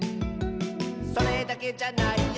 「それだけじゃないよ」